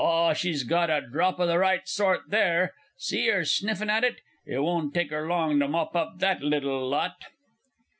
_) Ah, she's got a drop o' the right sort in there see her sniffin at it it won't take 'er long to mop up that little lot!